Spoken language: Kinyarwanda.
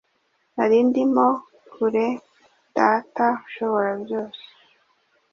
Nari ndimo kure Data Ushoborabyose